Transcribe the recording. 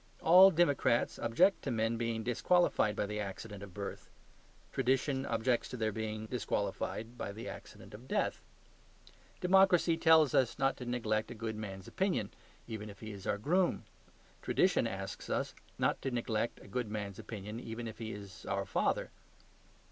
All democrats object to men being disqualified by the accident of birth; tradition objects to their being disqualified by the accident of death. Democracy tells us not to neglect a good man's opinion, even if he is our groom; tradition asks us not to neglect a good man's opinion, even if he is our father.